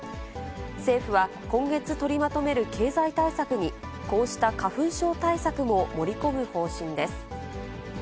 政府は今月取りまとめる経済対策に、こうした花粉症対策も盛り込む方針です。